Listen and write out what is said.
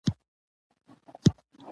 ختیځ او شمال کونج هم دوه پوړیزه وه.